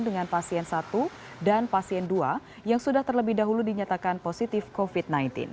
dengan pasien satu dan pasien dua yang sudah terlebih dahulu dinyatakan positif covid sembilan belas